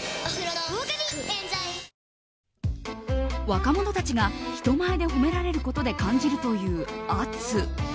若者たちが人前で褒められることで感じるという圧。